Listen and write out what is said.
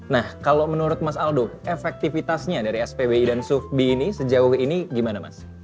nah kalau menurut mas aldo efektivitasnya dari spbi dan sufbi ini sejauh ini gimana mas